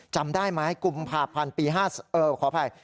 จำได้ไหมกุมภาพันธ์ปี๕ขออภัย